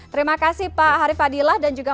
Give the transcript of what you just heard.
terima kasih pak harif fadilah dan juga